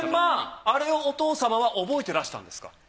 あれをお父様は覚えてらしたんですか。